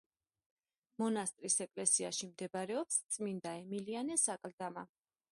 მონასტრის ეკლესიაში მდებარეობს წმინდა ემილიანეს აკლდამა.